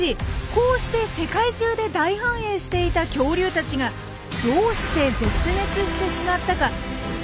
こうして世界中で大繁栄していた恐竜たちがどうして絶滅してしまったか知っていますか？